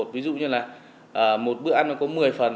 ví dụ như là một bữa ăn nó có một mươi phần